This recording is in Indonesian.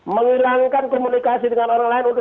menghilangkan komunikasi dengan orang lain untuk